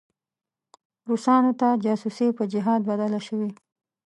روسانو ته جاسوسي په جهاد بدله شوې.